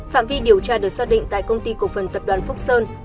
phạm vi điều tra được xác định tại công ty cổ phần tập đoàn phúc sơn